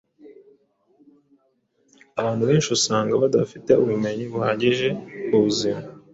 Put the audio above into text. Abantu benshi usanga badafite ubumenyi buhagije ku buzima